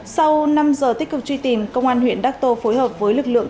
sau năm giờ tích cực truy tìm công an huyện đắc tô phối hợp với lực lượng